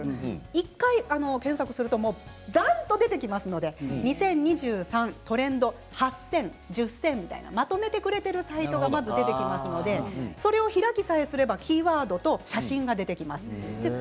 １回検索するとだーんと出てきますので２０２３、トレンド８選、１０選などまとめているサイトが出てきますのでそれを開きさえすればキーワードと写真が出てきます。